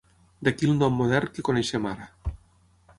D'aquí el nom modern que coneixem ara.